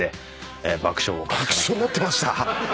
爆笑になってました